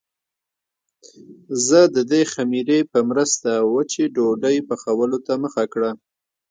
زه د دې خمیرې په مرسته وچې ډوډۍ پخولو ته مخه کړه.